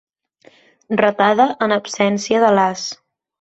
Ratada en absència de l'as.